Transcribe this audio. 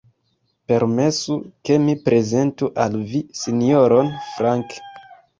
Permesu, ke mi prezentu al vi Sinjoron Frank.